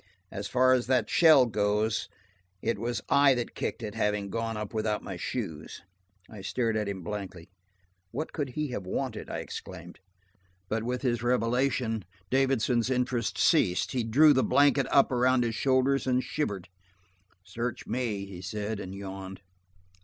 As far as that shell goes, it was I that kicked it, having gone up without my shoes." I stared at him blankly. "What could he have wanted?" I exclaimed. But with his revelation, Davidson's interest ceased; he drew the blanket up around his shoulders and shivered. "Search me," he said and yawned.